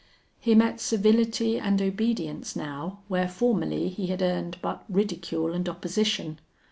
He met civility and obedience now where formerly he had earned but ridicule and opposition.